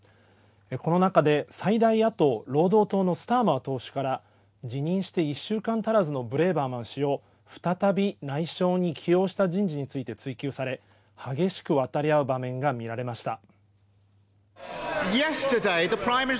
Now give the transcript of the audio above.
この中で最大野党・労働党のスターマー党首から辞任して１週間足らずのブレーバーマン氏を再び内相に起用した人事について追及され激しく渡り合う場面が見られました。